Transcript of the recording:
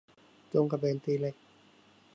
โจงกระเบนตีเหล็ก